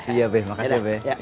iya be makasih be